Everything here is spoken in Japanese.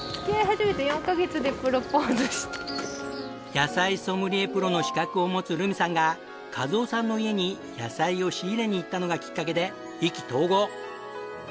野菜ソムリエプロの資格を持つ留美さんが一雄さんの家に野菜を仕入れに行ったのがきっかけで意気投合！